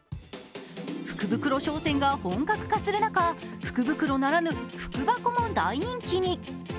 福袋商戦が本格化する中、福袋ならぬ福箱も大人気に。